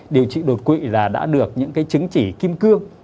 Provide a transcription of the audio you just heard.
điều trị đột quỵ là đã được những cái chứng chỉ kim cương